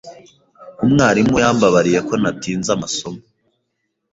Umwarimu yambabariye ko natinze amasomo.